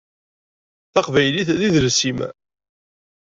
Taqbaylit d idles-im.